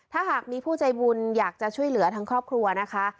ถ้าหากมีผู้ใจบุญอยากจะช่วยเหลือทั้งครอบครัวนะคะ